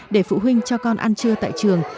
để phụ huynh cho con ăn trưa tại trường